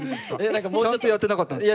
ちゃんとやってなかったんですか？